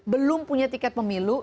belum punya tiket pemilu